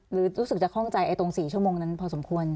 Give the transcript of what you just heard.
รู้สึกจะคล่องใจตรง๔ชั่วโมงนั้นพอสมควร